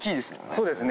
そうですね。